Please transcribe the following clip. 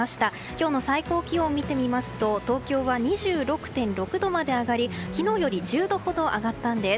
今日の最高気温を見てみますと東京は２６．６度まで上がり昨日より１０度ほど上がったんです。